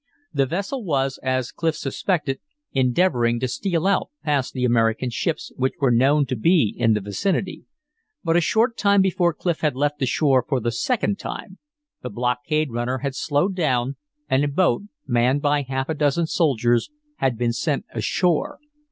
The vessel was, as Clif suspected, endeavoring to steal out past the American ships, which were known to be in the vicinity. But a short time before Clif had left the shore for the second time, the blockade runner had slowed down, and a boat, manned by half a dozen sailors, had been sent ashore.